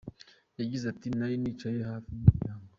Yagize ati “ Nari nicaye hafi n’umuryango.